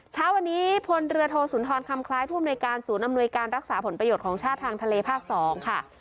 เช้าวันนี้พลเรือโทสุนทรคำคล้ายผู้อำนวยการศูนย์อำนวยการรักษาผลประโยชน์ของชาติทางทะเลภาค๒ค่ะ